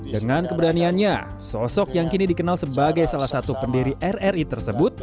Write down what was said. dengan keberaniannya sosok yang kini dikenal sebagai salah satu pendiri rri tersebut